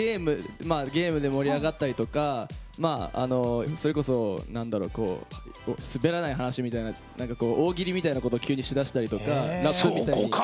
ゲームで盛り上がったりとかそれこそ、すべらない話みたいな大喜利みたいなことを急にしだしたりとか、ラップとか。